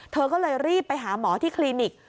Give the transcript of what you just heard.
เธอก็เลยรีบไปหาหมอที่คลินิก